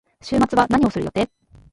週末は何をする予定？